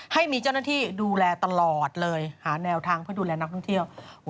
ให้มีเจ้าหน้าที่ดูแลตลอดเลยหาแนวทางเพื่อดูแลนักท่องเที่ยว